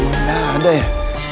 kenapa gak ada ya